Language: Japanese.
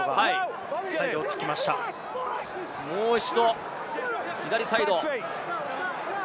もう一度、左サイド。